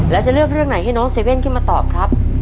แล้วจะเลือกเรื่องไหนให้น้องเซเว่นขึ้นมาตอบครับ